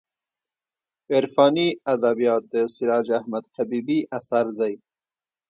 عرفاني ادبیات د سراج احمد حبیبي اثر دی.